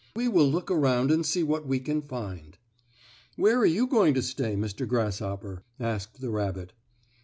"We will look around and see what we can find." "Where are you going to stay, Mr. Grasshopper?" asked the rabbit.